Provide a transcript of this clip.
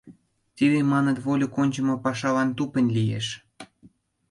Тиде, маныт, вольык ончымо пашалан тупынь лиеш.